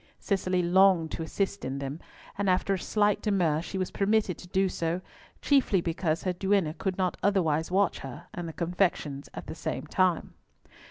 Cicely longed to assist in them, and after a slight demur, she was permitted to do so, chiefly because her duenna could not otherwise watch her and the confections at the same time.